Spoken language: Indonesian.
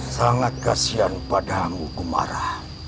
sangat kasihan padamu gumara